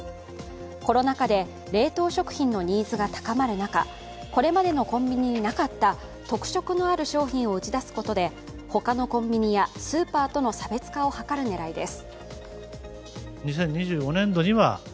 コロナ禍で冷凍食品のニーズが高まる中、これまでのコンビニになかった特色のある商品を打ち出すことで他のコンビニやスーパーとの差別化を図る狙いです。